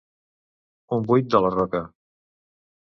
Un buit de la roca.